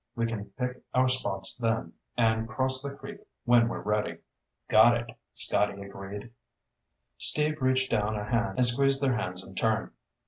We can pick our spots then and cross the creek when we're ready." "Got it," Scotty agreed. Steve reached down a hand and squeezed their hands in turn.